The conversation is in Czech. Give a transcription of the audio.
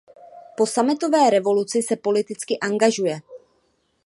Po sametové revoluci se politicky angažuje.